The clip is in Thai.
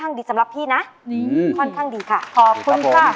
อยากแต่งานกับเธออยากแต่งานกับเธอ